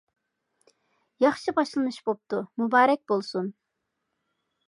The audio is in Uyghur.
ياخشى باشلىنىش بوپتۇ، مۇبارەك بولسۇن.